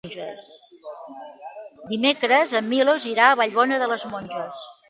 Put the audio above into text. Dimecres en Milos irà a Vallbona de les Monges.